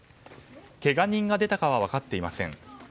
けが人が出たかは分かっていません。